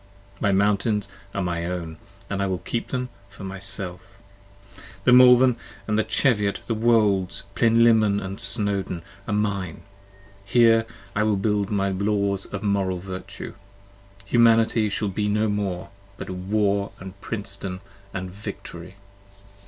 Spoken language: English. My mountains are my own, and I will keep them to myself: The Malvern and the Cheviot, the Wolds, Plinlimmon & Snowdon 30 Are mine, here will I build my Laws of Moral Virtue: Humanity shall be no more: but war & princedom & victory!